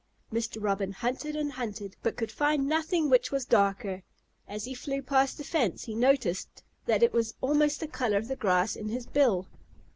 Mr. Robin hunted and hunted, but could find nothing which was darker. As he flew past the fence, he noticed that it was almost the color of the grass in his bill.